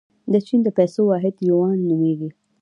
د چین د پیسو واحد یوان نومیږي.